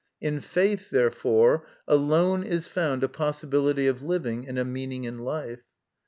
In faith, therefore, alone is found a possibility of living and a meaning in life.